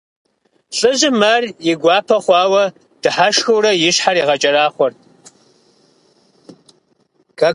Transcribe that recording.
ЛӀыжьым ар и гуапэ хъуауэ дыхьэшхыурэ и щхьэр игъэкӀэрахъуэрт.